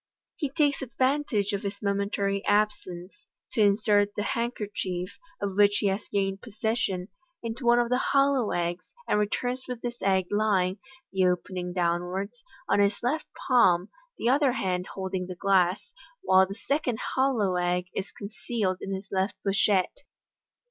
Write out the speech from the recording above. He takes advantage of his momentary absence to insert the handkerchief of which he has gained possession into one of the hollow MODERN MAGIC 263 eggs, and returns with this egg lying (the opening downwards) on his left palm, the other hand holding the glass, while the second hol low egg is concealed in his left pochette.